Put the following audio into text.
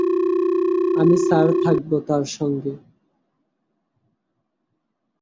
আমি স্যার থাকব তার সঙ্গে।